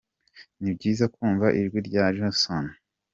Ni byiza kumva ijwi rya Jason.